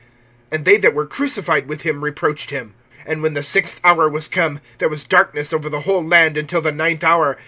And they that were crucified with him reproached him. (33)And when the sixth hour was come, there was darkness over the whole land until the ninth hour.